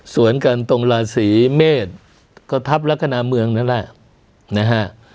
สวนกันตรงราศีเมษก็ทัพลักษณะเมืองนั่นแหละนะฮะ